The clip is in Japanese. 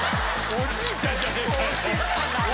おじいちゃんじゃねえかよ。